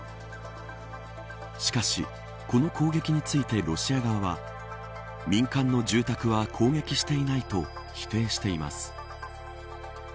しかし、この攻撃についてロシア側は民間の住宅は攻撃していないと否定しています。